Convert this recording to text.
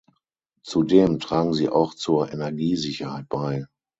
Zudem tragen sie auch zur Energiesicherheit bei.